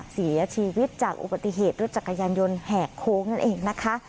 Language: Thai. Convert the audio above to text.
เสียชีวิตจากอุบัติเหตุรถจักรยานยนต์แหกโค้งนั่นเองนะคะ